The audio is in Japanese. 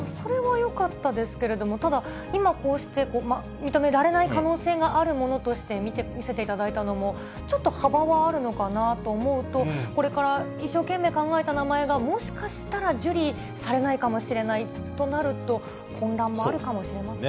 それはよかったですけれども、ただ、今、こうして認められない可能性があるものとして見せていただいたのも、ちょっと幅はあるのかなと思うと、これから一生懸命考えた名前が、もしかしたら受理されないかもしれないとなると、混乱もあるかもしれませんね。